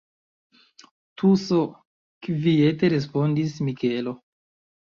Tuso, kviete respondis Mikelo.